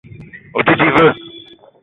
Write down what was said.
O te di ve?